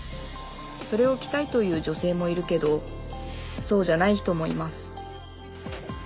それを着たいという女性もいるけどそうじゃない人もいます